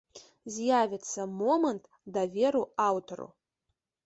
З'явіцца момант даверу аўтару!